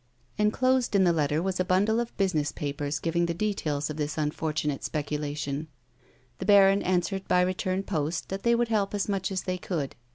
Enclosed in the letter was a bundle of business pajjers A WOMAN'S LIFE. 209 giving the details of this unfortunate speculation. The baron answered by return post that they would help as much as they could.